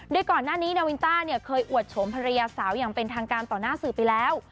โดยก่อนหน้านี้นาวินต้าเนี่ยเคยอวดโฉมภรรยาสาวอย่างเป็นทางการต่อหน้าสื่อไปแล้ว